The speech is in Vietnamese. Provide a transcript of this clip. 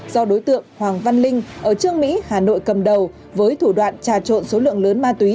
do đối tượng hoàng văn linh ở trương mỹ hà nội cầm đầu với thủ đoạn trà trộn số lượng lớn ma túy